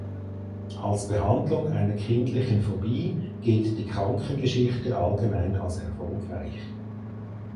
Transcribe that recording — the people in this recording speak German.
Als Behandlung einer kindlichen Phobie gilt die Krankengeschichte allgemein als erfolgreich.